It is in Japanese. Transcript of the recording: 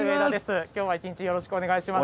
今日は一日よろしくお願いします。